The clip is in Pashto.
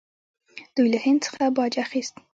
دوی له هند څخه باج اخیست